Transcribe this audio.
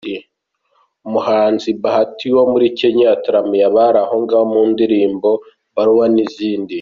Umuhanzi Bahati wo muri Kenya yataramiye abari aho mu ndirimbo Barua n'izindi.